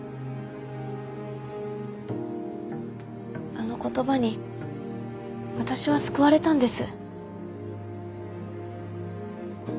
あの言葉に私は救われたんです。